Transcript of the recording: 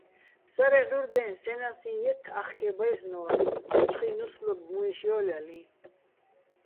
ფსარე ჺურდეჼ სე ნასიჼ ჲეთთ ახკე ბაჲლ'ნო́რ, იცხუჲჼ ნუსლობ მუჲში̆ ჲო́ლჲალიჼ.